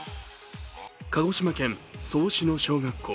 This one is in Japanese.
鹿児島県曽於市の小学校。